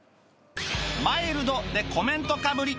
「マイルド」でコメントかぶり